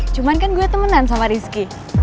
cuman kan gue temenan sama rizky